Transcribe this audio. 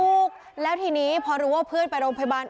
ถูกแล้วทีนี้พอรู้ว่าเพื่อนไปโรงพยาบาล